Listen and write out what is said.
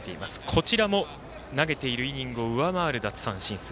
こちらも投げているイニングを上回る奪三振数。